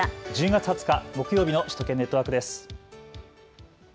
１０月２０日木曜日の首都圏ネットワークです。